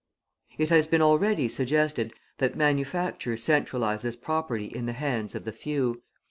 It has been already suggested that manufacture centralises property in the hands of the few.